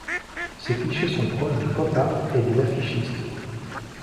Ses clichés sont proches du pop-art et des affichistes.